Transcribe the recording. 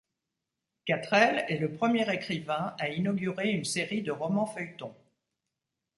Quatrelles est le premier écrivain à inaugurer une série de romans feuilletons.